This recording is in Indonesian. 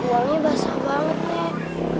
uangnya basah banget nek